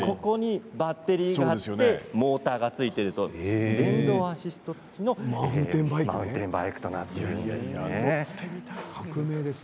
バッテリーがあってモーターが付いていて電動アシスト付きのマウンテンバイクとなっています。